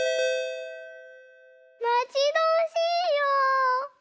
まちどおしいよ！